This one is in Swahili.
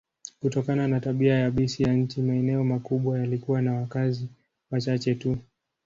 Kutokana na tabia yabisi ya nchi, maeneo makubwa yalikuwa na wakazi wachache tu.